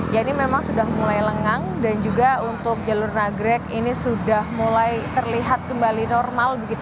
ya ini memang sudah mulai lengang dan juga untuk jalur nagrek ini sudah mulai terlihat kembali normal